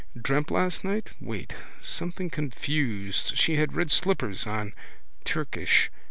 Dreamt last night? Wait. Something confused. She had red slippers on. Turkish.